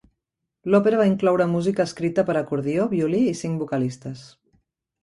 L'òpera va incloure música escrita per a acordió, violí i cinc vocalistes.